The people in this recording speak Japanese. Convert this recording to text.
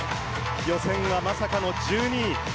予選はまさかの１２位。